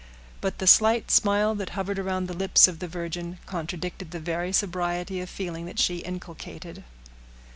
But the slight smile that hovered around the lips of the virgin contradicted the very sobriety of feeling that she inculcated.